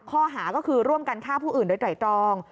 ข้อหาก็คือร่วมกันฆ่าผู้อื่นโดยไตรตรอง